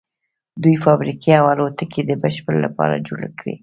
دوی فابریکې او الوتکې د بشر لپاره جوړې کړې